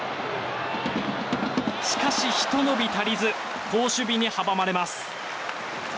しかし、ひと伸び足りず好守備に阻まれます。